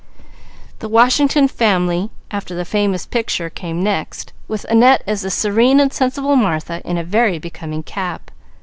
The Washington Family, after the famous picture, came next, with Annette as the serene and sensible Martha, in a very becoming cap.